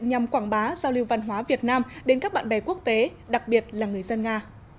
nhằm quảng bá giao lưu văn hóa việt nam đến các bạn bè quốc tế đặc biệt là người dân nga